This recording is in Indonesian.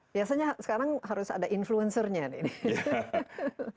biasanya sekarang harus ada influencer nya nih